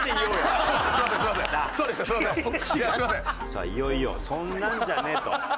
さあいよいよそんなんじゃねえと。